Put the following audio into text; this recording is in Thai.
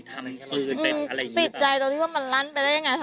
แต่ประเด็นคือไอ้ปืนรั้นที่เราติดใจมันติดใจยังไงมันรั้นเองหรือมีคนไปทำปืนอะไรอย่างนี้ปะ